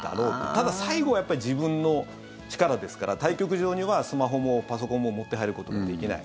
ただ、最後はやっぱり自分の力ですから対局場にはスマホもパソコンも持って入ることができない。